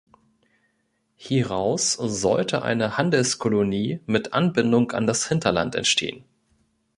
Hieraus sollte eine Handelskolonie mit Anbindung an das Hinterland entstehen.